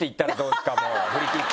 振り切って。